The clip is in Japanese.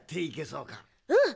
うん。